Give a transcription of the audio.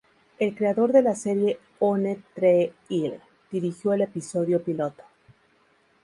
El creador de la serie "One Tree Hill" dirigió el episodio piloto.